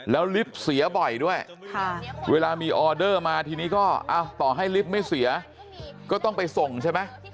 แล้วลิฟต์เสียบ่อยด้วยเวลามีออเดอร์มาทีนี้ก็ต่อให้ลิฟต์ไม่เสียก็ต้องไปส่งใช่ไหม